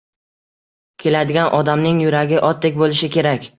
Keladigan odamning yuragi otdek bo‘lishi kerak.